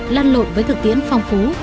lan lộn với thực tiễn phong phú